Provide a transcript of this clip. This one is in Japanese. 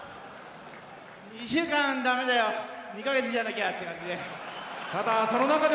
２週間ダメだよ２か月じゃなきゃ！って感じで。